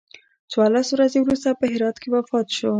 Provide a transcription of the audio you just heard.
څوارلس ورځې وروسته په هرات کې وفات شو.